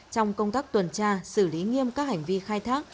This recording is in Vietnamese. trong công tác tuần tra xử lý nghiêm các hành vi khai thác